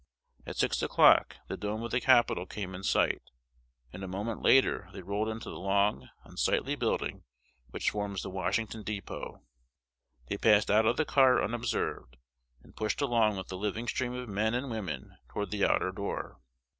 At six o'clock the dome of the Capitol came in sight; and a moment later they rolled into the long, unsightly building, which forms the Washington dépôt. They passed out of the car unobserved, and pushed along with the living stream of men and women toward the outer door.